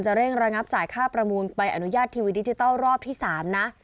เร่งระงับจ่ายค่าประมูลใบอนุญาตทีวีดิจิทัลรอบที่๓นะ